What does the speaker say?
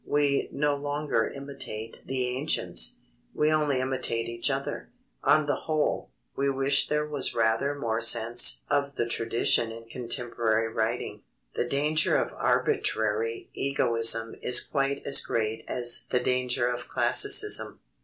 We no longer imitate the ancients; we only imitate each other. On the whole, we wish there was rather more sense of the tradition in contemporary writing. The danger of arbitrary egoism is quite as great as the danger of classicism.